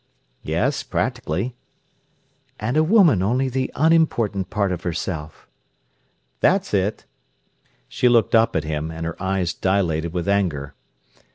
"Yes, practically." "And a woman only the unimportant part of herself?" "That's it." She looked up at him, and her eyes dilated with anger.